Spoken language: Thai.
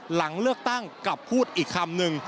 หลังเลือกตั้งกลับพูดอีกคำนึง